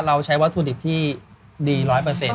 เราใช้วัสดิ์ที่ดีร้อยเปอร์เซนต์